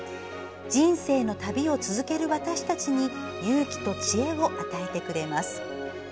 人生の旅を続ける私たちに勇気と知恵を与えてくれます。